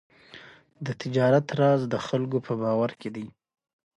د تجارت راز د خلکو په باور کې دی.